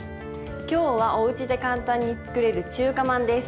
今日はおうちで簡単に作れる中華まんです。